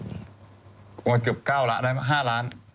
องค์เกือบ๙ล้านได้หรอห้าล้าน